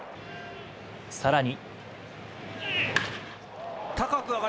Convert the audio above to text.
さらに。